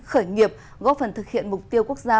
khởi nghiệp góp phần thực hiện mục tiêu quốc gia